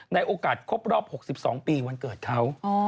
ในโอกาสครบรอบ๖๒ปีวันเกิดเขา